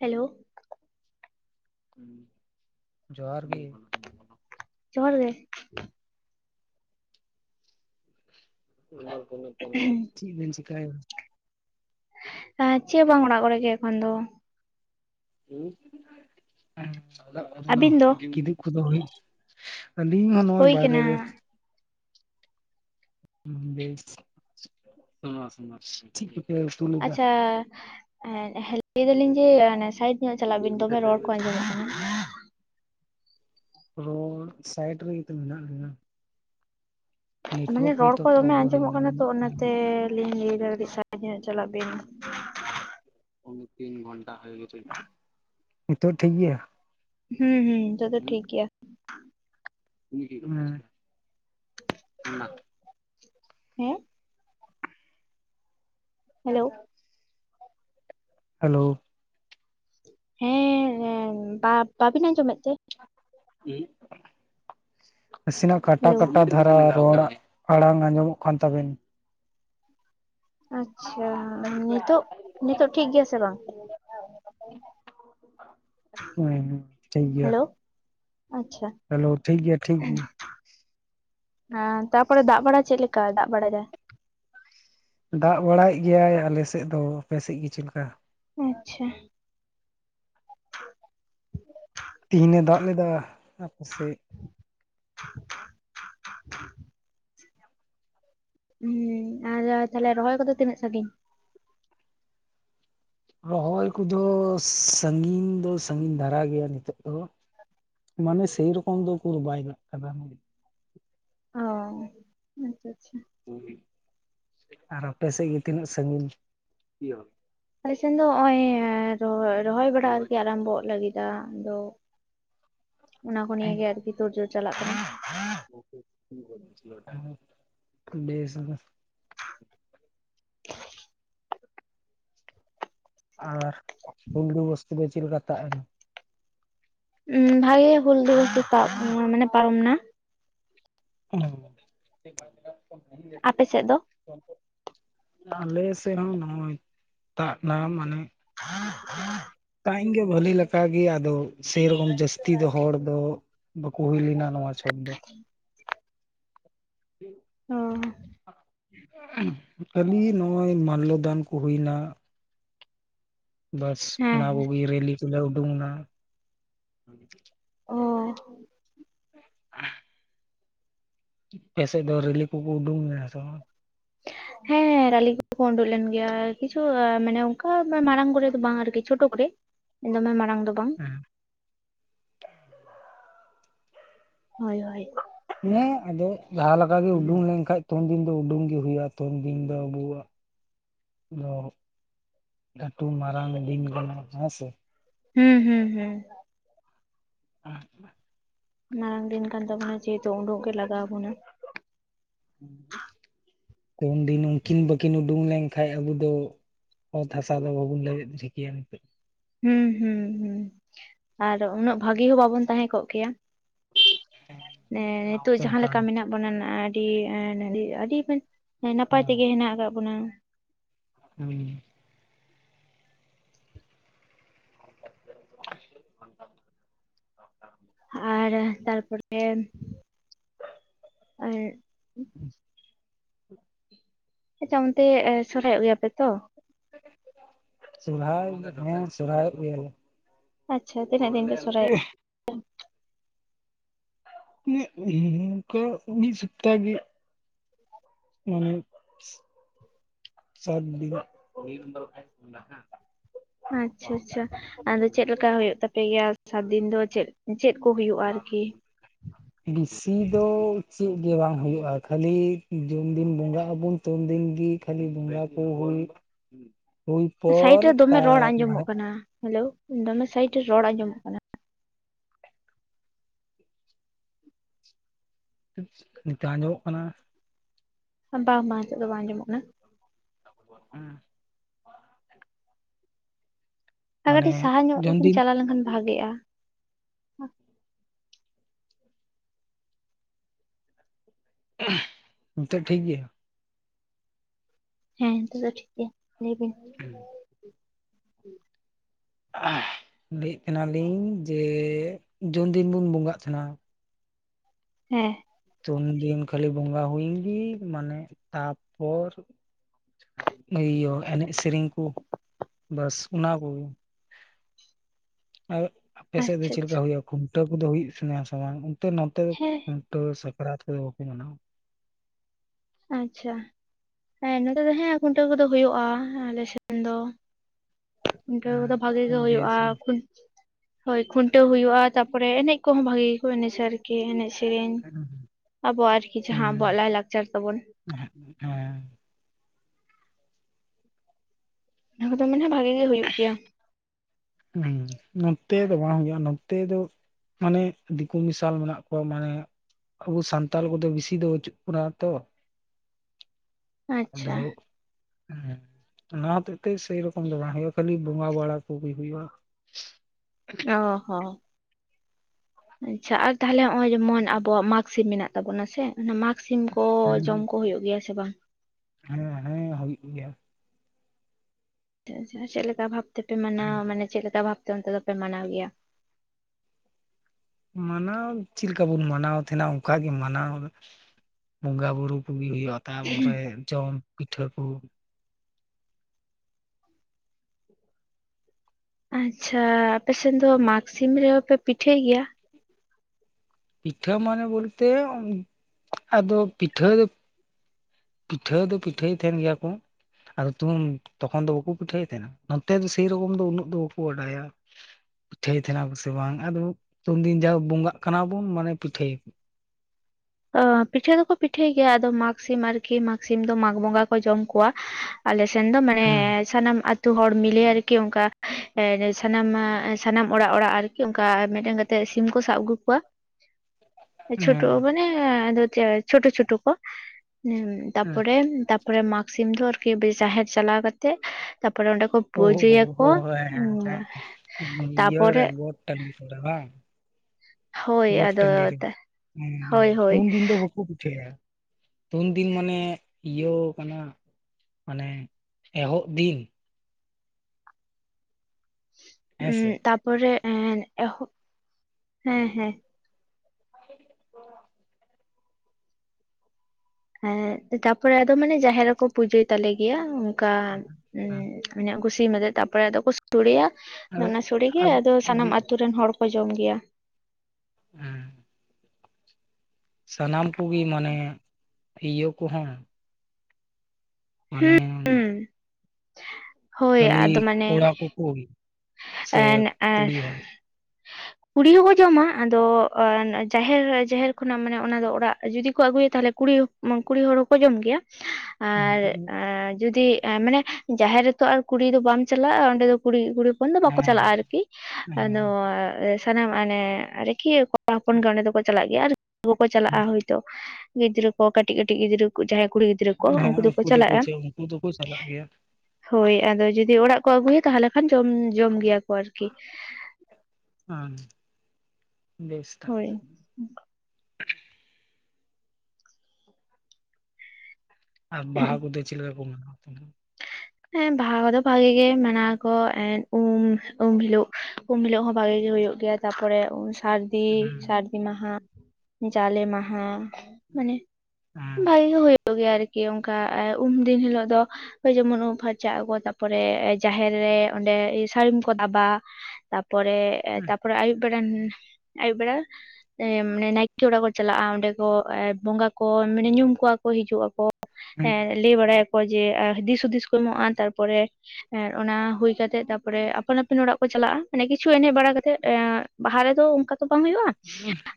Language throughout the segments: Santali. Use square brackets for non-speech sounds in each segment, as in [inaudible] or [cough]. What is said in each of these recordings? ᱦᱮᱞᱳ ᱡᱚᱦᱟᱸᱨ ᱜᱮ ᱡᱚᱦᱟᱸᱨ ᱜᱮ [unintelligible] ᱪ ᱢᱮᱱ ᱪᱟᱭ ᱪᱮᱫ ᱵᱟᱝ ᱚᱲᱟᱜ ᱠᱚ ᱨᱮ ᱜᱮ ᱮᱠᱷᱚᱱ ᱫᱚ [unintelligible] ᱟᱜ ᱟᱹᱵᱤᱱ ᱫᱚ ᱠᱚ ᱜᱤᱫᱤᱡ ᱠᱚᱫᱚ ᱦᱩᱭᱩᱜ ᱟᱞᱤᱧ ᱦᱚᱸ ᱱᱚᱜᱼᱚᱭ ᱦᱳᱭ ᱵᱟᱭᱨᱮ ᱠᱟᱱᱟ ᱨᱮ ᱵᱮᱥ [unintelligible] ᱪᱮᱫ ᱠᱚᱯᱮ ᱩᱛᱩ ᱞᱮᱫᱟ? ᱟᱪᱪᱷᱟ ᱞᱟᱹᱭ ᱫᱟᱞᱤᱧ ᱡᱮ ᱥᱟᱭᱤᱰ ᱧᱚᱜ ᱪᱟᱞᱟᱜ ᱵᱤᱱ ᱫᱚᱢᱮ ᱨᱚᱲ ᱠᱚ ᱟᱸᱡᱚᱢᱚᱜ ᱠᱟᱱᱟ ᱾ ᱨᱚᱲ ᱥᱟᱭᱤᱰ ᱨᱮᱜᱮ ᱛᱚ ᱢᱮᱱᱟᱜ ᱞᱤᱧᱟ ᱢᱟᱱᱮ ᱱᱮᱮᱴᱣᱟᱨᱠ ᱨᱚᱲ ᱦᱚᱭᱛᱳ ᱠᱚ ᱫᱚᱢᱮ ᱟᱸᱡᱚᱢᱚᱜ ᱠᱟᱱᱟ ᱛᱚ ᱚᱱᱟᱛᱮ ᱞᱤᱧ ᱞᱟᱹᱭᱫᱟ ᱠᱟᱹᱴᱤᱡ ᱥᱟᱭᱤᱰ ᱧᱚᱜ ᱪᱟᱞᱟᱜ ᱵᱤᱱ [unintelligible] ᱛᱤᱱ ᱜᱷᱚᱱᱴᱟ ᱦᱩᱭ, ᱱᱤᱛᱳᱜ ᱴᱷᱤᱠ ᱜᱮᱭᱟ? ᱦᱩᱸ ᱦᱩᱸ ᱱᱤᱛᱚᱜ ᱫᱚ ᱴᱷᱤᱠ ᱜᱮᱭᱟ᱾ ᱱᱟ [unintelligible] ᱦᱮᱸ ᱦᱮᱞᱳ ᱦᱮᱞᱳ ᱦᱮᱸ ᱵᱟᱼᱵᱟᱵᱤᱱ ᱟᱸᱡᱚᱢᱮᱫ ᱛᱮ ᱱᱟᱥᱤᱱᱟᱜ ᱠᱟᱴᱟ ᱦᱮᱞᱳ ᱠᱟᱴᱟ ᱫᱷᱟᱨᱟ ᱨᱚᱲ ᱟᱲᱟᱝ ᱟᱸᱡᱚᱢᱚᱜ ᱠᱟᱱ ᱛᱟᱵᱤᱱ ᱟᱪᱪᱷᱟ ᱱᱤᱛᱳᱜ ᱱᱤᱛᱚᱜ ᱴᱷᱤᱠ ᱜᱮᱭᱟ ᱥᱮ ᱵᱟᱝ? [unintelligible] ᱴᱷᱤᱠ ᱜᱮᱭᱟ ᱦᱮᱞᱳ ᱟᱪᱪᱷᱟ ᱦᱮᱞᱳ ᱴᱷᱤᱠ ᱜᱮᱭᱟ ᱴᱷᱤᱠ ᱜᱮ ᱦᱮᱸ ᱛᱟᱯᱚᱨᱮ ᱫᱟᱜ ᱵᱟᱲᱟ ᱪᱮᱫ ᱞᱮᱠᱟ ᱫᱟᱜ ᱵᱟᱲᱟᱭ ᱫᱟ? ᱫᱟᱜ ᱵᱟᱲᱟᱭᱮᱫ ᱜᱮᱭᱟᱭ ᱟᱞᱮᱥᱮᱫ ᱫᱚ ᱟᱯᱮᱥᱮᱫ ᱜᱮ ᱪᱮᱫ ᱞᱮᱠᱟ? ᱟᱪᱪᱷᱟ [unintelligible] ᱛᱤᱦᱤᱧᱮ ᱫᱟᱜ ᱞᱮᱫᱟ ᱟᱯᱮ ᱥᱮᱫ? ᱦᱮ ᱟᱨ ᱛᱟᱦᱚᱞᱮ ᱨᱚᱦᱚᱭ ᱠᱚᱫᱚ ᱛᱤᱱᱟᱹᱜ ᱥᱟᱺᱜᱤᱧ? ᱨᱚᱦᱚᱭ ᱠᱚᱫᱚ ᱥᱟᱺᱜᱤᱧ ᱫᱚ ᱥᱟᱺᱜᱤᱧ ᱫᱷᱟᱨᱟ ᱜᱮᱭᱟ ᱱᱤᱛᱚᱜ ᱫᱚ᱾ ᱢᱟᱱᱮ ᱥᱮᱭᱨᱚᱠᱚᱢ ᱫᱚ ᱩᱠᱩᱨ ᱵᱟᱭ ᱫᱟᱜ ᱠᱟᱫᱟ ᱾ ᱚ ᱟᱪᱪᱷᱟ ᱟᱪᱪᱷᱟ [unintelligible] ᱟᱨ ᱟᱯᱮ ᱥᱮᱫ ᱜᱮ ᱛᱤᱱᱟᱹᱜ ᱥᱟᱺᱜᱤᱧ? ᱟᱞᱮ ᱥᱮᱱ ᱫᱚ ᱱᱚᱜᱼᱚᱭ ᱨᱚᱦᱚᱭ ᱵᱟᱲᱟ ᱟᱨᱠᱤ ᱟᱨᱟᱢᱵᱷᱚᱜ ᱞᱟᱹᱜᱤᱫ ᱟᱫᱚ ᱚᱱᱟ ᱠᱚ ᱱᱤᱭᱮ ᱜᱮ ᱟᱨᱠᱤ ᱛᱳᱨ ᱡᱳᱨ ᱪᱟᱞᱟᱜ ᱠᱟᱱᱟ [unintelligible] ᱵᱮᱥ ᱜᱮ ᱟᱨ ᱦᱩᱞ ᱫᱤᱵᱚᱥ ᱫᱚ ᱪᱮᱫ ᱞᱮᱠᱟ ᱛᱟᱵ ᱮᱱᱟ? ᱩ ᱵᱷᱟᱜᱮ ᱦᱩᱞ ᱫᱤᱵᱚᱥ ᱛᱟᱵ ᱮᱱᱟ ᱢᱟᱱᱮ ᱯᱟᱨᱚᱢ ᱱᱟ ᱾ ᱚᱱᱟ ᱟᱯᱮ ᱥᱮᱫ ᱫᱚ? [unintelligible] ᱟᱞᱮ ᱥᱮᱫ ᱦᱚᱸ ᱱᱚᱜᱼᱚᱭ ᱛᱟᱵ ᱱᱟ ᱢᱟᱱᱮ ᱛᱟᱵ ᱮᱱ ᱜᱮᱭᱟ ᱵᱷᱟᱹᱜᱤ ᱞᱮᱠᱟ ᱜᱮ ᱟᱫᱚ ᱥᱮᱨᱚᱠᱚᱢ ᱡᱟᱹᱥᱛᱤ ᱫᱚ ᱦᱚᱲ ᱫᱚ ᱵᱟᱠᱚ ᱦᱩᱭ ᱞᱮᱱᱟ ᱱᱚᱣᱟ ᱪᱷᱚᱴ ᱫᱚ [unintelligible] ᱚᱸᱻ ᱠᱷᱟᱹᱞᱤ ᱱᱚᱜᱼᱚᱭ ᱢᱟᱞᱞᱚ ᱫᱟᱱ ᱠᱚ ᱦᱩᱭᱱᱟ ᱵᱮᱥ ᱦᱮᱸ ᱚᱱᱟ ᱦᱮᱸ ᱠᱚᱜᱤ ᱨᱮᱞᱤ ᱠᱚᱞᱮ ᱩᱰᱩᱝ ᱱᱟ ᱚᱻ [unintelligible] ᱟᱯᱮ ᱥᱮᱫ ᱫᱚ ᱨᱮᱞᱤ ᱠᱚᱠᱚ ᱩᱰᱩᱝ ᱞᱮᱱᱟ ᱥᱮ ᱵᱟᱝ? ᱦᱮᱸ ᱨᱟᱞᱤ ᱠᱚᱫᱚ ᱠᱚ ᱚᱰᱳᱠ ᱞᱮᱱ ᱠᱤᱪᱷᱩ ᱢᱟᱱᱮ ᱚᱱᱠᱟ ᱢᱟᱨᱟᱝ ᱠᱚᱨᱮ ᱫᱚ ᱵᱟᱝ ᱟᱨᱠᱤ ᱪᱷᱳᱴᱳ ᱠᱚᱨᱮ ᱫᱚᱢᱮ ᱢᱟᱲᱟᱝ ᱫᱚ ᱵᱟᱝ ᱦᱮᱸ ᱦᱳᱭ ᱦᱳᱭ ᱦᱮᱸ ᱟᱫᱚ ᱡᱟᱦᱟᱸ ᱞᱮᱠᱟᱜᱮ ᱩᱰᱩᱝ ᱞᱮᱱᱠᱷᱟᱱ ᱛᱚ ᱩᱱᱫᱤᱱ ᱫᱚ ᱩᱰᱩᱝ ᱜᱤ ᱦᱩᱭᱩᱜᱼᱟ ᱛᱚ ᱩᱱᱫᱤᱱ ᱫᱚ ᱟᱵᱚᱣᱟᱜ ᱫᱚ ᱞᱟᱹᱴᱷᱩ ᱢᱟᱨᱟᱝ ᱫᱤᱱ ᱠᱟᱱᱟ ᱦᱮᱸᱥᱮ ᱦᱩᱸ ᱦᱩᱸ ᱦᱩᱸ [unintelligible] ᱢᱟᱨᱟᱝ ᱫᱤᱱ ᱠᱟᱱ ᱛᱟᱵᱚᱱᱟ ᱡᱮᱦᱮᱛᱩ ᱩᱰᱩᱩᱜ ᱜᱮ ᱞᱟᱜᱟᱣ ᱟᱵᱚᱱᱟ ᱾ ᱩᱱᱫᱤᱱ ᱱᱝᱠᱤᱱ ᱵᱟᱹᱠᱤᱱ ᱩᱰᱩᱠ ᱞᱮᱱᱠᱷᱟᱡ ᱟᱵᱚ ᱫᱚ ᱚᱛ ᱦᱟᱥᱟ ᱫᱚ ᱵᱟᱵᱚᱱ ᱞᱮᱵᱮᱫ ᱠᱮᱭᱟ ᱱᱤᱛᱜ ᱦᱩᱸ ᱦᱩᱸ ᱦᱩᱸ ᱟᱨ ᱩᱱᱟᱹᱜ ᱵᱷᱟᱜᱤ ᱦᱚᱸ ᱵᱟᱵᱚᱱ ᱛᱟᱦᱮᱸ ᱠᱚᱜ ᱠᱮᱭᱟ ᱾ ᱱᱤᱛᱚᱜ ᱡᱟᱦᱟᱸ ᱚᱱᱠᱟᱱ ᱞᱮᱠᱟ ᱢᱮᱱᱟᱜᱼᱟ ᱢᱚᱱᱟ ᱟᱹᱰᱤ ᱟᱹᱰᱤ ᱱᱟᱯᱟᱭ ᱛᱮᱜᱮ ᱦᱮᱱᱟᱜ ᱟᱠᱟᱫ ᱵᱚᱱᱟ ᱾ ᱦᱮᱸ [unintelligible] ᱟᱨ ᱛᱟᱨᱯᱚᱨᱮ ᱟᱨ [unintelligible] ᱟᱪᱪᱷᱟ ᱚᱱᱛᱮ ᱥᱚᱨᱦᱟᱭᱚᱜ ᱜᱮᱭᱟᱯᱮ ᱛᱚ? ᱥᱚᱨᱦᱟᱭ ᱦᱮᱸ ᱥᱚᱨᱦᱟᱭᱚᱜ ᱜᱮᱭᱟ ᱞᱮ ᱾ ᱟᱪᱪᱷᱟ ᱛᱤᱹ ᱫᱤᱱ ᱯᱮ ᱥᱚᱨᱦᱟᱭᱚᱜᱟ? ᱱᱤᱝᱠᱟ ᱢᱤᱫ ᱥᱚᱯᱛᱟᱦᱚ ᱜᱮ ᱾ ᱢᱟᱱᱮ ᱥᱟᱛ ᱫᱤᱱ ᱟᱪᱪᱷᱟ ᱟᱪᱪᱷᱟ ᱟᱫᱚ ᱪᱮᱫᱞᱮᱠᱟ ᱦᱩᱭᱩᱜ ᱛᱟᱯᱮ ᱜᱮᱭᱟ ᱥᱟᱛᱫᱤᱱ ᱫᱚ ᱪᱮᱫ ᱪᱮᱫ ᱠᱚ ᱦᱩᱭᱩᱜ-ᱟ? [unintelligible] ᱵᱮᱥᱤ ᱫᱚ ᱪᱮᱫᱜ ᱵᱟᱝ ᱦᱩᱭᱩᱜᱼᱟ ᱠᱷᱟᱹᱞᱤ ᱡᱚᱢ ᱫᱤᱱ ᱵᱚᱸᱜᱟ ᱟᱵᱚᱱ ᱛᱩᱱ ᱫᱤᱱ ᱜᱤ ᱠᱷᱟᱞᱞᱤ ᱵᱚᱸᱜᱟ ᱠᱚ ᱦᱩᱭᱩᱜ-ᱟ ᱥᱟᱭᱤᱴ ᱨᱮ ᱫᱚᱢᱮ ᱨᱚᱲ ᱟᱸᱡᱚᱢᱚᱜ ᱠᱟᱱᱟ ᱦᱮᱞᱳ ᱫᱚᱢᱮ ᱥᱟᱭᱤᱴ ᱨᱮ ᱨᱚᱲ ᱟᱸᱡᱚᱢᱚᱜ ᱠᱟᱱᱟ ᱾ ᱱᱤᱛᱳᱜ ᱟᱧᱡᱚᱢᱚᱜ ᱠᱟᱱᱟ? ᱵᱟᱝ ᱵᱟᱝ ᱱᱤᱛᱚᱜ ᱫᱚ ᱵᱟᱝ ᱟᱧᱡᱚᱢᱚᱜ ᱠᱟᱱᱟ ᱾ [unintelligible] ᱟᱨ ᱢᱟᱱᱮ ᱠᱟᱹᱴᱤᱡ ᱥᱟᱦᱟ ᱧᱚᱜ ᱨᱮᱵᱤᱱ ᱡᱚᱱᱫᱤᱱ ᱪᱟᱞᱟᱣ ᱞᱮᱱᱠᱷᱟᱱ ᱵᱷᱟᱜᱤᱜᱼᱟ ᱾ ᱦᱤᱛᱳ ᱴᱷᱤᱠ ᱜᱮᱭᱟ ᱦᱮᱸ ᱦᱤᱛᱳᱜ ᱫᱚ ᱴᱷᱤᱠ ᱜᱮᱭᱟ ᱞᱟᱹᱭ ᱵᱤᱱ ᱾ [unintelligible] ᱞᱟᱹᱭᱮᱫ ᱛᱟᱦᱮᱱᱟᱞᱤᱧ ᱡᱮ ᱡᱚᱱᱫᱤᱱ ᱵᱚᱱ ᱵᱚᱸᱜᱟᱜ ᱛᱟᱦᱮᱱᱟ ᱾ ᱦᱮᱸ ᱛᱩᱱᱫᱤᱱ ᱠᱷᱟᱞᱤ ᱵᱚᱸᱜᱟ ᱦᱩᱭᱮᱱᱜᱤ ᱢᱟᱱᱮ ᱛᱟᱯᱚᱨ ᱤᱭᱟᱹ ᱮᱱᱮᱡ ᱥᱮᱨᱮᱧ ᱠᱚ ᱵᱟᱥ ᱚᱱᱟ ᱠᱚᱜᱮ ᱟᱯᱮ ᱥᱮᱫ ᱫᱚ ᱟᱪᱪᱷᱟ ᱟᱪᱪᱷᱟ ᱪᱮᱫᱠᱟ ᱦᱩᱭᱩᱜᱼᱟ ᱠᱚ? ᱠᱚᱫᱚ ᱦᱩᱭᱩᱜ ᱥᱮ ᱵᱟᱝ ᱚᱱᱛᱮ ᱱᱚᱛᱮ ᱦᱮᱸ ᱫᱚ ᱥᱟᱠᱨᱟᱛ ᱠᱚᱫᱚ ᱵᱟᱯᱮ ᱢᱟᱱᱟᱣ ᱟᱪᱪᱷᱟ ᱦᱮᱸ ᱱᱚᱛᱮ ᱫᱚ ᱦᱮᱸ ᱠᱷᱩᱱᱴᱟᱹᱣ ᱠᱚᱫᱚ ᱦᱩᱭᱩᱜᱼᱟ ᱟᱞᱮᱥᱱ ᱫᱚ ᱾ ᱠᱦᱩᱱᱴᱟᱹᱣ ᱠᱚᱫᱚ ᱵᱷᱟᱜᱮ ᱜᱮ ᱦᱮᱸ ᱦᱩᱭᱩᱜᱼᱟ ᱵᱮᱥ ᱜᱮ ᱦᱳᱭ ᱠᱷᱩᱱᱴᱟᱹᱣ ᱦᱩᱭᱩᱜᱼᱟ ᱛᱟᱯᱚᱨᱮ ᱮᱱᱮᱡ ᱠᱚᱦᱚᱸ ᱵᱷᱟᱜᱤ ᱜᱮᱠᱚ ᱮᱱᱮᱡᱟ ᱟᱨᱠᱤ ᱾ ᱠᱤ ᱮᱱᱮᱡ ᱥᱮᱨᱮᱧ ᱦᱮᱸ ᱟᱵᱚᱣᱟᱜ ᱟᱨᱠᱤ ᱡᱟᱦᱟᱸ ᱟᱵᱚᱣᱟᱜ ᱞᱟᱭ ᱞᱟᱠᱪᱟᱨ ᱦᱮᱸ ᱡᱟᱦᱟᱸ ᱠᱚᱫᱚᱢ ᱢᱮᱱᱟ ᱵᱷᱟᱜᱮ ᱜᱮ ᱦᱩᱭᱩᱜ ᱜᱮᱭᱟ ᱦᱩᱸ ᱱᱚᱛᱮ ᱫᱚ ᱵᱟᱝ ᱦᱩᱭᱩᱜ-ᱟ ᱱᱚᱛᱮ ᱫᱚ ᱢᱟᱱᱮ ᱫᱤᱠᱩ ᱢᱮᱥᱟᱞ ᱚᱲᱟᱜ ᱠᱚ ᱢᱟᱱᱮ ᱟᱵᱚ ᱥᱟᱱᱛᱟᱞ ᱠᱚᱫᱚ ᱵᱮᱥᱤ ᱫᱚ ᱵᱟᱹᱪᱩᱜ ᱵᱚᱱᱟ ᱛᱚ ᱟᱫᱚ ᱟᱪᱪᱷᱟ ᱦᱮ ᱚᱱᱟ ᱦᱚᱛᱮᱡ ᱛᱮ ᱥᱮᱨᱚᱠᱚᱢ ᱫᱚ ᱵᱟᱝ ᱦᱩᱭᱩᱜ-ᱟ ᱠᱷᱟᱹᱞᱤ ᱵᱚᱸᱜᱟ ᱵᱟᱲᱟ ᱠᱚᱜᱮ ᱦᱩᱭᱩᱜ-ᱟ᱾ ᱚ ᱦᱚᱸ ᱟᱪᱪᱷᱟ ᱟᱨ ᱛᱟᱦᱚᱞᱮ ᱦᱚᱜ-ᱚᱭ ᱡᱮᱢᱚᱱ ᱟᱵᱚᱣᱟᱜ ᱢᱟᱜᱽ ᱥᱤ ᱢᱮᱱᱟᱜ ᱛᱟᱵᱚᱱᱟ ᱥᱮ ᱚᱱᱟ ᱢᱟᱜᱽ ᱥᱤᱢ ᱠᱚ ᱡᱚᱢ ᱦᱮᱸ ᱠᱚ ᱦᱩᱭᱩᱜ ᱜᱮᱭᱟ ᱥᱮ ᱵᱟᱝ ᱦᱮᱸ ᱦᱮᱸ ᱦᱩᱭᱩᱜ ᱜᱮᱭᱟ ᱪᱮᱫ ᱞᱮᱠᱟ ᱵᱷᱟᱵᱽ ᱛᱮᱯᱮ ᱢᱟᱱᱟᱣᱟ ᱢᱟᱱᱮ ᱪᱮᱫ ᱞᱮᱠᱟ ᱵᱷᱟᱵᱽ ᱛᱮ ᱚᱱᱛᱮ ᱫᱚᱯᱮ ᱢᱟᱱᱟᱣ ᱜᱮᱭᱟ? ᱢᱟᱱᱟᱣ ᱪᱤᱫ ᱞᱮᱠᱟ ᱵᱚᱱ ᱢᱟᱱᱟᱣ ᱛᱟᱦᱮᱱᱟ ᱚᱱᱠᱟ ᱜᱤ ᱢᱟᱱᱟᱣ ᱵᱚᱸᱜᱟ ᱵᱩᱨᱩ ᱠᱚᱜᱤ ᱦᱩᱭᱩᱜᱼᱟ ᱛᱟᱯᱚᱨᱮ ᱡᱚᱢ ᱯᱤᱴᱷᱟᱹ ᱠᱩ ᱟᱪᱪᱷᱟ ᱟᱯᱮ ᱥᱮᱱ ᱫᱚ ᱢᱟᱜᱽ ᱥᱤᱢ ᱨᱮᱦᱚᱸ ᱯᱮ ᱯᱤᱴᱷᱟᱹᱭ ᱜᱮᱭᱟ ᱯᱤᱴᱷᱟᱹ ᱢᱟᱱᱮ ᱵᱚᱞᱛᱮ ᱟᱫᱚ ᱯᱤᱴᱷᱟᱹ ᱯᱤᱴᱷᱟᱹ ᱫᱚ ᱯᱤᱴᱷᱟᱹᱭ ᱛᱟᱦᱮᱱ ᱜᱮᱭᱟ ᱠᱩ ᱟᱨ ᱩᱛᱩᱢ ᱛᱚᱠᱷᱚᱱ ᱫᱚ ᱵᱟᱠᱚ ᱯᱤᱴᱷᱟᱹᱭ ᱮᱫ ᱛᱟᱦᱮᱱᱟ ᱱᱚᱛᱮ ᱫᱚ ᱥᱮᱨᱚᱠᱚᱢ ᱫᱚ ᱩᱱᱟᱹᱜ ᱫᱚ ᱵᱟᱠᱚ ᱵᱟᱰᱟᱭᱟ᱾ ᱯᱤᱴᱷᱟᱹᱭ ᱛᱟᱦᱮᱱᱟ ᱠᱚ ᱥᱮ ᱵᱟᱝ ᱟᱫᱚ ᱩᱱᱫᱤᱱ ᱡᱟ ᱵᱚᱸᱜᱟᱜ ᱠᱟᱱᱟ ᱵᱚᱱ ᱢᱟᱱᱮ ᱯᱤᱴᱷᱟᱹᱭ ᱚ ᱯᱤᱴᱷᱟᱹ ᱯᱤᱴᱷᱟᱹ ᱫᱚᱠᱚ ᱯᱤᱴᱷᱟᱹᱭ ᱜᱮᱭᱟ ᱟᱫᱚ ᱢᱟᱜᱽ ᱥᱤᱢ ᱟᱨᱠᱤ ᱢᱟᱜᱽ ᱥᱤᱢ ᱫᱚ ᱢᱟᱜᱽ ᱵᱚᱸᱜᱟ ᱠᱚ ᱡᱚᱢ ᱠᱚᱣᱟ᱾ ᱟᱞᱮ ᱥᱮᱱ ᱫᱚ ᱢᱟᱱᱮ ᱦᱮᱸ ᱥᱟᱱᱟᱢ ᱛᱩ ᱦᱚᱲ ᱢᱤᱞᱮ ᱟᱨᱠᱤ ᱚᱱᱠᱟ ᱮ ᱮᱜ ᱥᱟᱱᱟᱢᱟᱜ ᱥᱟᱱᱟᱢ ᱚᱲᱟᱜ ᱚᱲᱟᱜ ᱟᱨᱠᱤ ᱚᱱᱠᱟ ᱢᱤᱫᱴᱮᱱ ᱜᱟᱹᱛ ᱛᱮ ᱥᱤᱢ ᱠᱚ ᱥᱟᱵ ᱟᱹᱜᱩ ᱠᱚᱣᱟ [inaudible] ᱪᱷᱳᱴᱳ ᱦᱮᱸ ᱢᱟᱱᱮ ᱫᱚ ᱪᱷᱳᱴᱳ ᱪᱷᱳᱴᱳ ᱠᱚ ᱦᱮᱸ ᱛᱟᱯᱚᱨᱮ ᱛᱟᱯᱚᱨᱮ ᱢᱟᱜᱽ ᱥᱤᱢ ᱫᱚ ᱟᱨᱠᱤ ᱡᱟᱦᱮᱨ ᱪᱟᱞᱟᱣ ᱠᱟᱛᱮᱜ ᱛᱟᱯᱚᱨᱮ ᱚᱸᱰᱮ ᱠᱚ ᱳ ᱳ ᱯᱩᱡᱟᱹᱭᱟᱠᱚ ᱦᱮᱸ ᱦᱮᱸ [unintelligible] ᱤᱭᱟᱹᱨᱮ ᱛᱟᱯᱚᱨᱮ ᱴᱟᱺᱰᱤ ᱠᱚᱨᱮ ᱵᱟᱝ ᱦᱳᱭ ᱜᱚᱰ ᱟᱫᱚ ᱴᱟᱺᱰᱤ ᱨᱮ ᱦᱩᱸ ᱦᱩᱸ ᱦᱳᱭ ᱦᱳᱭ ᱩᱱ ᱫᱤᱱ ᱫᱚ ᱠᱩ ᱯᱤᱷᱟᱹᱭᱟ ᱛᱚ ᱩᱱ ᱫᱤᱱ ᱢᱟᱱᱮ ᱤᱭᱟᱹᱣ ᱠᱟᱱᱟ ᱢᱟᱱᱮ ᱮᱦᱚᱵ ᱫᱤᱱ ᱩᱸᱜ ᱦᱮᱸᱥᱮ ᱛᱟᱯᱚᱨᱮ ᱮᱦ ᱦᱮᱸ ᱦᱮᱸ [unintelligible] ᱦᱮᱸᱜ ᱛᱟᱯᱚᱨᱮ ᱟᱫᱚ ᱢᱟᱱᱮ ᱡᱟᱦᱮᱨ ᱨᱮᱠᱚ ᱯᱩᱡᱟᱹᱭ ᱛᱟᱞᱮ ᱜᱮᱭᱟ ᱚᱱᱠᱟ ᱮᱸᱜ ᱢᱟᱱᱮ ᱥᱤᱢ ᱵᱮᱨᱮᱫ ᱛᱟᱯᱚᱨᱮ ᱟᱫᱚ ᱠᱩ ᱛᱩᱲᱤᱭᱟ ᱚᱱᱟ ᱥᱚᱲᱮ ᱜᱮ ᱟᱫᱚ ᱥᱟᱱᱟᱢ ᱟᱛᱩ ᱨᱮᱱ ᱦᱚᱲ ᱠᱚ ᱡᱚᱢ ᱜᱮᱭᱟ᱾ ᱦᱮᱸ ᱥᱟᱱᱟᱢ ᱠᱚᱜᱤ ᱢᱟᱱᱮ ᱤᱭᱟᱹ ᱠᱚᱦᱚᱸ ᱦᱩᱸ ᱢᱟᱱᱮ ᱦᱩᱸ ᱦᱳᱭ ᱠᱷᱟᱹᱞᱤ ᱟᱫᱚ ᱢᱟᱱᱮ ᱠᱚᱲᱟ ᱠᱩᱠᱩ ᱥᱮ ᱮᱸ ᱮᱸ ᱠᱩᱲᱤ ᱦᱚᱸ ᱠᱩᱲᱤ ᱦᱚᱸᱠᱚ ᱡᱚᱢᱟ ᱟᱫᱚ ᱮᱸᱜ ᱡᱟᱦᱮᱨ ᱡᱟᱦᱮᱨ ᱠᱷᱚᱱᱟᱜ ᱢᱟᱱᱮ ᱚᱱᱟ ᱫᱚ ᱚᱲᱟᱜ ᱡᱩᱫᱤ ᱠᱚ ᱟᱹᱜᱩᱭᱟ ᱛᱟᱦᱚᱞᱮ ᱠᱩᱲᱤ ᱩᱢᱟᱝ ᱠᱩᱲᱤ ᱦᱚᱲ ᱦᱚᱠᱚ ᱡᱚᱢ ᱜᱮᱭᱟ [inaudible] ᱟᱨ ᱮᱸᱜ ᱡᱩᱫᱤ ᱮᱜ ᱢᱟᱱᱮ ᱡᱟᱦᱮᱨ ᱨᱮᱛᱚ ᱟᱨ ᱠᱩᱲᱤ ᱫᱚ ᱵᱟᱢ ᱪᱟᱞᱟᱜᱼᱟ ᱚᱸᱰᱮ ᱫᱚ ᱠᱩᱲᱤ ᱠᱩᱲᱤ ᱠᱚᱱ ᱫᱚ ᱵᱟᱠᱚ ᱪᱟᱞᱟᱜᱼᱟ ᱦᱮᱸ ᱟᱨᱠᱤ ᱟᱫᱚ ᱥᱟᱱᱟᱢ ᱢᱟᱱᱮ ᱟᱨᱠᱤ ᱠᱚᱲᱟ ᱦᱚᱯᱚᱱ ᱜᱮ ᱚᱸᱰᱮ ᱫᱚᱠᱚ ᱪᱟᱞᱟᱜ ᱜᱮᱭᱟ ᱟᱨᱠᱚ ᱪᱟᱞᱟᱜᱼᱟ ᱦᱳᱭᱛᱳ ᱜᱤᱫᱽᱨᱟᱹ ᱠᱚ ᱠᱟᱹᱴᱤᱡ ᱠᱟᱹᱴᱤᱡ ᱜᱤᱫᱽᱨᱟᱹ ᱡᱟᱦᱟᱸᱭ ᱠᱩᱲᱤ ᱜᱤᱫᱽᱨᱟᱹ ᱠᱚ ᱦᱮᱸ ᱩᱱᱠᱩ ᱫᱚᱠᱚ ᱪᱟᱞᱟᱜᱼᱟ ᱪᱮᱫ ᱩᱱᱠᱩ ᱫᱚᱠᱚ ᱪᱟᱞᱟᱜ ᱜᱮᱭᱟ ᱦᱳᱭ ᱟᱫᱚ ᱡᱩᱫᱤ ᱚᱲᱟᱜ ᱠᱚ ᱟᱹᱜᱩᱭᱟ ᱛᱟᱦᱚᱞᱮ ᱠᱷᱟᱱ ᱡᱚᱢ ᱡᱚᱢ ᱜᱮᱭᱟ ᱠᱚ ᱟᱨᱠᱤ ᱚ ᱦᱳᱭ ᱟᱨ ᱵᱟᱦᱟ ᱠᱚᱫᱚ ᱪᱮᱫ ᱞᱮᱠᱟ ᱠᱚ ᱢᱟᱱᱟᱣᱟ ᱛᱟᱦᱞᱮ ᱦᱮᱸ ᱵᱟᱦᱟ ᱠᱚᱫᱚ ᱵᱷᱟᱜᱤ ᱜᱮ ᱢᱟᱱᱟᱣ ᱟᱠᱚ ᱮᱸ ᱩᱢ ᱩᱢ ᱦᱤᱞᱳᱜ ᱩᱢ ᱦᱤᱞᱳᱜ ᱦᱚᱸᱵᱷᱟᱜᱤ ᱜᱮᱠᱚ ᱦᱩᱭᱩᱜ ᱜᱮᱭᱟ‌᱾ ᱛᱟᱯᱚᱨᱮ ᱥᱟᱹᱨᱫᱤ ᱦᱮᱸ ᱥᱟᱹᱨᱫᱤ ᱢᱟᱦᱟ ᱡᱟᱞᱮ ᱢᱟᱦᱟ᱾ ᱢᱟᱱᱮ ᱵᱷᱟᱜᱤ ᱦᱩᱭᱩᱜ ᱜᱮᱭᱟ ᱟᱨᱠᱤ ᱚᱱᱠᱟ ᱩᱢ ᱫᱤᱱ ᱦᱤᱞᱳᱜ ᱫᱚ ᱡᱮᱢᱚᱱ ᱩᱵ ᱯᱷᱟᱨᱪᱟᱜ ᱟᱠᱚ ᱛᱟᱯᱚᱨᱮ ᱡᱟᱦᱮᱨ ᱨᱮ ᱚᱸᱰᱮ ᱥᱟᱹᱲᱤᱢ ᱠᱚ ᱫᱟᱵᱟ᱾ ᱛᱟᱯᱚᱨᱮ ᱦᱮᱸ ᱛᱟᱯᱚᱨᱮ ᱟᱭᱩᱵ ᱵᱮᱲᱟ ᱟᱭᱩᱵ ᱵᱮᱲᱟ ᱢᱟᱱᱮ ᱱᱟᱭᱠᱮ ᱚᱲᱟᱜ ᱠᱚ ᱪᱟᱞᱟᱜᱼᱟ ᱚᱸᱰᱮ ᱠᱚ ᱵᱚᱸᱜᱟ ᱠᱚ ᱢᱟᱱᱮ ᱧᱩᱢ ᱠᱚᱣᱟ ᱠᱚ ᱦᱤᱡᱩᱜ ᱟᱠᱚ ᱦᱮᱸ ᱞᱟᱹᱭ ᱵᱟᱲᱟᱭᱟᱠᱚ ᱡᱮ ᱫᱤᱥ ᱦᱩᱫᱤᱥ ᱠᱚ ᱮᱢᱚᱜᱼᱟ ᱛᱟᱨᱯᱚᱨᱮ ᱦᱮᱸ ᱚᱱᱟ ᱦᱩᱭ ᱠᱟᱛᱮᱜ ᱛᱟᱯᱚᱨᱮ ᱟᱯᱟᱱ ᱟᱹᱯᱤᱱ ᱚᱲᱟᱜ ᱠᱚ ᱪᱟᱞᱟᱜᱼᱟ ᱢᱟᱱᱮ ᱠᱤᱪᱷᱩ ᱮᱱᱮᱡ ᱵᱟᱲᱟ ᱵᱟᱦᱟ ᱨᱮᱫᱚ ᱚᱝᱠᱟ ᱛᱚ ᱵᱟᱝ ᱦᱩᱭᱩᱜᱼᱟ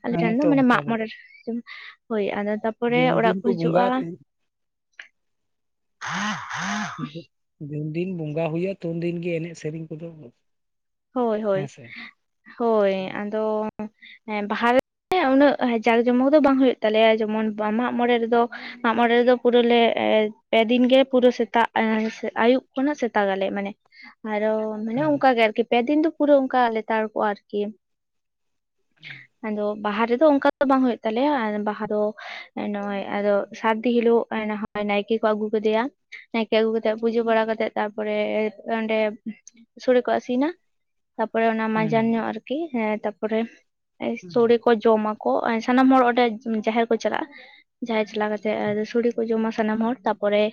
ᱟᱞᱮ ᱦᱮᱸ ᱴᱷᱮᱱ ᱫᱚ ᱛᱚ ᱢᱟᱱᱮ ᱚᱱᱠᱟ ᱢᱟᱜ ᱜᱮ ᱢᱚᱬᱮ ᱨᱮ ᱦᱳᱭ ᱟᱫᱚ ᱛᱟᱨᱯᱚᱨᱮ ᱡᱩᱱ ᱚᱲᱟᱜ ᱫᱤᱱ ᱠᱚ ᱵᱚᱸᱜᱟᱜᱼᱟ ᱦᱤᱡᱩᱜ-ᱟ ᱛᱚ ᱡᱩᱱ ᱫᱤᱱ ᱵᱚᱸᱜᱟ ᱦᱩᱭᱩᱜᱼᱟ ᱛᱩᱱᱫᱤᱱ ᱜᱮ ᱮᱱᱮᱡ ᱥᱮᱨᱮᱧ ᱠᱚᱫᱚ ᱦᱳᱭ ᱦᱮᱸ ᱦᱳᱭ ᱥᱮ ᱦᱳᱭ ᱟᱫᱚ ᱵᱟᱦᱟ ᱨᱮ ᱦᱮᱸ ᱩᱱᱟᱹᱜ ᱡᱟᱠ ᱡᱚᱢᱚᱠ ᱫᱚ ᱵᱟᱝ ᱦᱩᱭᱩᱜ ᱛᱟᱞᱮᱭᱟ ᱡᱮᱢᱚᱱ ᱢᱟᱜ ᱢᱚᱬᱮ ᱨᱮᱫᱚ ᱢᱟᱜ ᱢᱚᱬᱮ ᱨᱮᱫᱚ ᱯᱩᱨᱩᱞᱮ ᱯᱮᱫᱤᱱ ᱜᱮ ᱯᱩᱨᱟᱹ ᱥᱮᱛᱟᱜ ᱟᱹᱭᱩᱵ ᱠᱷᱚᱱᱟᱜ ᱥᱮᱛᱟᱜᱟᱞᱮ ᱢᱟᱱᱮ ᱾ ᱟᱨ ᱢᱟᱱᱮ ᱦᱮᱸ ᱚᱱᱠᱟ ᱜᱮ ᱟᱨᱠᱤ ᱯᱮᱫᱤᱱ ᱫᱚ ᱯᱩᱨᱟᱹ ᱚᱱᱠᱟ ᱞᱮᱛᱟᱲ ᱠᱚᱜᱼᱟ ᱟᱨᱠᱤ ᱟᱫᱚ ᱵᱟᱦᱟ ᱨᱮᱫᱚ ᱚᱱᱠᱟ ᱫᱚ ᱵᱟᱝ ᱦᱩᱭᱩᱜ ᱛᱟᱞᱮᱭᱟ ᱵᱟᱦᱟ ᱫᱚ ᱱᱚᱜᱚᱭ ᱟᱫᱚ ᱥᱟᱨᱫᱤᱱ ᱦᱤᱞᱳᱜ ᱱᱟᱭᱠᱮ ᱠᱚ ᱟᱹᱜᱩ ᱠᱮᱫᱮᱭᱟ ᱱᱟᱭᱠᱮ ᱟᱹᱜᱩ ᱠᱟᱛᱮᱜ ᱯᱩᱡᱟᱹ ᱵᱟᱲᱟ ᱠᱟᱛᱮᱜ ᱛᱟᱨᱯᱚᱨᱮ ᱚᱸᱰᱮ ᱥᱚᱲᱮ ᱠᱚ ᱟᱹᱥᱤᱱᱟ ᱾ ᱛᱟᱯᱚᱨᱮ ᱚᱱᱟ ᱦᱮᱸ ᱢᱟᱡᱟᱱ ᱧᱚᱜ ᱟᱨᱠᱤ ᱛᱟᱯᱚᱨᱮ ᱥᱚᱲᱮ ᱠᱚ ᱡᱚᱢ ᱠᱚ ᱥᱟᱱᱟᱢ ᱦᱚᱲ ᱚᱸᱰᱮ ᱡᱟᱦᱮᱨ ᱠᱚ ᱪᱟᱞᱟᱜᱼᱟ ᱾ ᱡᱟᱦᱟᱸᱭ ᱪᱟᱞᱟᱣ ᱠᱟᱛᱮᱜ ᱥᱚᱲᱮ ᱠᱚ ᱡᱚᱢᱟ ᱥᱟᱱᱟᱢ ᱦᱚᱲ ᱛᱟᱯᱚᱨᱮ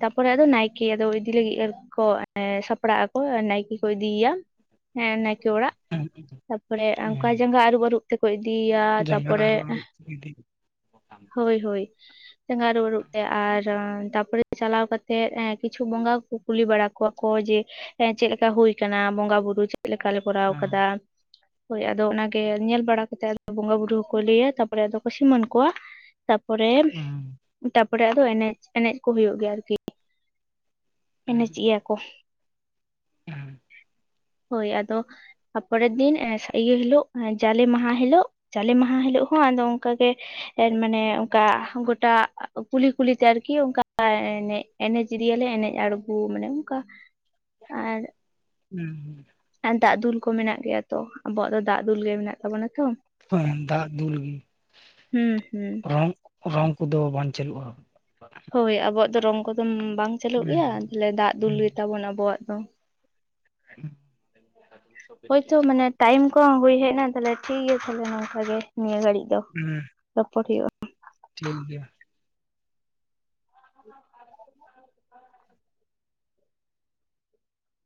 ᱛᱟᱯᱚᱨᱮ ᱟᱫᱚ ᱱᱟᱭᱠᱮᱟᱫᱚ ᱤᱫᱤ ᱞᱟᱹᱜᱤᱫ ᱮ ᱠᱚ ᱥᱟᱯᱲᱟᱜ ᱟᱠᱚ ᱱᱟᱭ ᱠᱚ ᱤᱫᱤᱭᱭᱟ ᱦᱮᱸ ᱱᱟᱭᱠᱮ ᱚᱲᱟᱜ ᱛᱟᱯᱚᱨᱮ ᱚᱱᱠᱟ ᱦᱮᱸ ᱡᱟᱸᱜᱟ ᱟᱹᱨᱩᱵᱟ‌. ᱨᱩᱵ ᱛᱮᱠᱚ ᱤᱫᱤᱭᱭᱟ ᱡᱟᱸᱜᱟ ᱛᱟᱯᱚᱨᱮ ᱟᱨᱩᱵ ᱟᱨᱩᱵ ᱤᱫᱤ ᱦᱳᱭ ᱦᱳᱭ ᱡᱟᱜᱟ ᱟᱨᱩᱜ ᱟᱨᱩᱜ ᱛᱮ ᱟᱨ ᱛᱟᱯᱚᱨᱮ ᱪᱟᱞᱟᱣ ᱠᱟᱛᱮᱜ ᱠᱤᱪᱷᱩ ᱵᱚᱸᱜᱟᱠᱚ ᱠᱚ ᱠᱩᱞᱤ ᱵᱟᱲᱟ ᱠᱚᱣᱟ ᱠᱚ ᱡᱮ ᱪᱮᱫ ᱪᱮᱫ ᱞᱮᱠᱟ ᱦᱩᱭ ᱠᱟᱱᱟ ᱵᱚᱸᱜᱟ ᱵᱩᱨᱩ ᱪᱮᱫ ᱞᱮᱠᱟᱞᱮ ᱠᱚᱨᱟᱣ ᱦᱮᱸ ᱟᱠᱟᱫᱟ ᱾ ᱦᱳᱭ ᱟᱫᱚ ᱚᱱᱟᱜᱮ ᱧᱮᱞ ᱵᱟᱲᱟ ᱠᱟᱛᱮ ᱟᱫᱚ ᱵᱚᱸᱜᱟ ᱵᱩᱨᱩ ᱦᱚᱸᱠᱚ ᱞᱟᱹᱭᱟ ᱛᱟᱯᱚᱨᱮ ᱟᱫᱚ ᱠᱚ ᱥᱤᱢᱟᱹᱱ ᱠᱚᱣᱟ᱾ ᱛᱟᱯᱚᱨᱮᱯ [unintelligible] ᱛᱟᱯᱚᱨᱮ ᱟᱫᱚ ᱮᱱᱮᱡ ᱮᱱᱮᱡ ᱠᱚ ᱦᱩᱭᱩᱜ ᱜᱮᱭᱟ ᱟᱨᱠᱤ ᱾ ᱮᱱᱮᱪᱮᱫ ᱜᱮᱭᱟ ᱠᱚ ᱦᱮᱸ ᱦᱳᱭ ᱟᱫᱚ ᱛᱟᱯᱚᱨᱮᱨ ᱫᱤᱱ ᱤᱭᱟᱹ ᱦᱤᱞᱳᱜ ᱡᱟᱞᱮ ᱢᱟᱦᱟ ᱦᱤᱞᱳᱜ ᱡᱟᱞᱮ ᱢᱟᱦᱟ ᱦᱤᱞᱳᱜ ᱦᱚᱸ ᱟᱫᱚ ᱚᱱᱠᱟᱟᱜᱮ ᱢᱟᱱᱮ ᱚᱱᱠᱟ ᱜᱚᱴᱟ ᱠᱩᱞᱤ ᱠᱩᱞᱤᱛᱮ ᱟᱨᱠᱤ ᱚᱱᱠᱟ ᱮᱱᱮᱡ ᱮᱱᱮᱪᱤᱫᱤᱭᱟᱞᱮ ᱮᱱᱮᱡ ᱟᱬᱜᱚ ᱢᱟᱱᱮ ᱚᱱᱠᱟ ᱟᱨ [unintelligible] ᱟᱨ ᱫᱟᱜ ᱫᱩᱞ ᱠᱚ ᱢᱮᱱᱟᱜ ᱜᱮᱭᱟ ᱛᱚ ᱟᱵᱚᱣᱟᱜ ᱫᱚ ᱫᱟᱜ ᱫᱩᱞ ᱜᱮ ᱢᱮᱱᱟᱜ ᱛᱟᱵᱚᱱᱟ ᱛᱚ ᱾ ᱦᱸᱮ ᱫᱟᱜ ᱫᱩᱞ ᱜᱮ ᱦᱩᱸ ᱦᱩᱸ ᱨᱚᱝ ᱨᱚᱝ ᱠᱚᱫᱚ ᱵᱟᱝ ᱪᱟᱹᱞᱩᱜᱼᱟ ᱾ ᱦᱳᱭ ᱟᱵᱚᱣᱟᱜ ᱫᱚ ᱨᱚᱝ ᱠᱚᱫᱚ ᱵᱟᱝ ᱪᱟᱹᱞᱩᱜ ᱜᱮᱭᱟ ᱦᱩᱸ ᱛᱟᱞᱦᱮ ᱫᱟᱜ ᱫᱩᱞ ᱦᱩᱸ ᱜᱮᱛᱟᱵᱚᱱ ᱟᱵᱚᱣᱟᱜ ᱫᱚ ᱦᱳᱭᱛᱚ ᱢᱟᱱᱮ ᱴᱟᱭᱤᱢ ᱠᱟ ᱦᱩᱭ ᱦᱮᱡ ᱱᱟ ᱛᱟᱞᱦᱮ ᱴᱷᱤᱠ ᱜᱮᱭᱟ ᱛᱟᱞᱦᱮ ᱱᱚᱝᱠᱟ ᱜᱮ ᱱᱤᱭᱟᱹ ᱜᱷᱟᱹᱲᱤᱡ ᱫᱚ ᱦᱩᱸ ᱨᱚᱯᱚᱴ ᱦᱩᱭᱩᱜᱼᱟ᱾ ᱴᱷᱤᱠ ᱜᱮᱭᱟ [unintelligible]